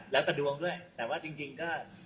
แล้วแต่ดวงด้วยแต่ว่าจริงก็